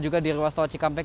lalu di ruas tauci kampek